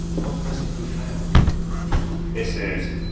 "What was it he found?" "Missus!"